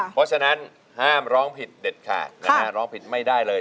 เพราะฉะนั้นห้ามร้องผิดเด็ดขาดนะฮะร้องผิดไม่ได้เลย